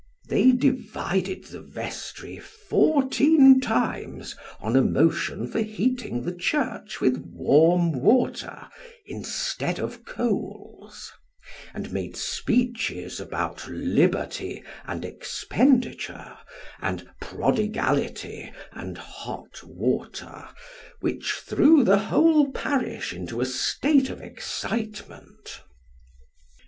They divided the vestry fourteen times on a motion for heating the church Avith warm water instead of coals : and made speeches about liberty and expenditure, and prodigality and hot water, which threw the whole parish into a state of excitement.